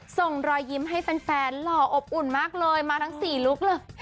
ส่งรอยยิ้มให้แฟนหล่ออบอุ่นมากเลยมาทั้ง๔ลุคเลย